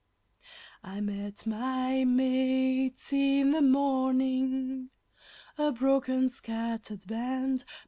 I met my mates in the morning, a broken, scattered band.